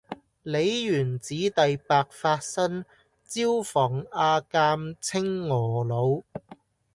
梨園子弟白發新，椒房阿監青娥老。